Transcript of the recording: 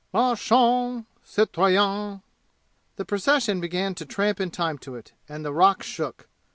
"Marchons! Citoyens! " The procession began to tramp in time to it, and the rock shook.